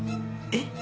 えっ？